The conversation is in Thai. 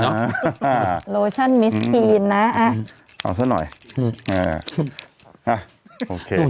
อ่าอ่าโลชั่นมิสกีนนะอ่าเอาซะหน่อยอืมอ่าอ่าโอเคหนุ่ม